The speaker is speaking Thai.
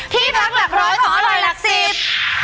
ที่พักหลักร้อยของอร่อยหลักสิบ